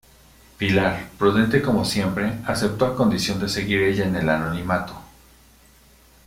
Pilar, prudente como siempre, aceptó a condición de seguir ella en el anonimato.